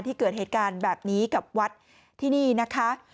เกิดเหตุการณ์แบบนี้กับวัดที่นี่นะคะ